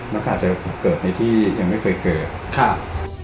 มันก็อาจจะเกิดในที่ยังไม่เคยเกิดครับ